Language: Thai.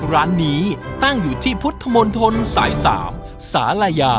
ร้านนี้ตั้งอยู่ที่พุทธมนตรสาย๓สาลายา